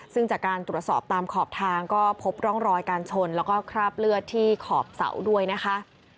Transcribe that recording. ซึ่งจากการตรวจสอบตามขอบทางก็พบร่องรอยการชนแล้วก็คราบเลือดที่ขอบเสาด้วยนะคะ